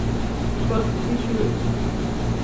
Koth dhi chwe